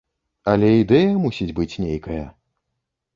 Але ідэя мусіць быць нейкая.